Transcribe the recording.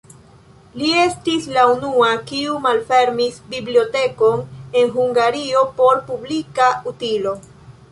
Li estis la unua, kiu malfermis bibliotekon en Hungario por publika utilo.